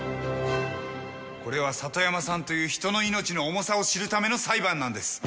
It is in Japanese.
これは里山さんという人の命の重さを知るための裁判なんです。